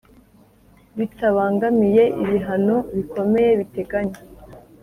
Bitabangamiye ibihano bikomeye biteganywa